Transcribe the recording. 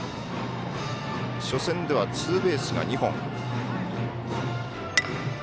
初戦ではツーベースが２本。